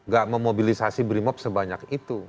gak memobilisasi brimob sebanyak itu